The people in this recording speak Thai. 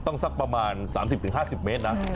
สักประมาณ๓๐๕๐เมตรนะ